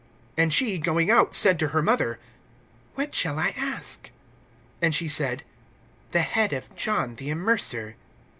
(24)And she, going out, said to her mother: What shall I ask? And she said: The head of John the Immerser.